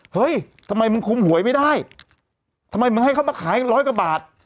เฮ้ยทำไมมึงคุมหวยไม่ได้ทำไมมึงให้เขามาขายร้อยกว่าบาท